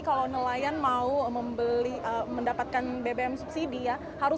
kalau nelayan mau membeli mendapatkan bbm subsidi ya harus